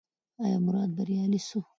ایا مراد بریالی شو؟